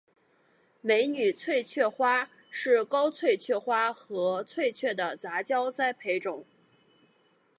美女翠雀花是高翠雀花和翠雀的杂交栽培种。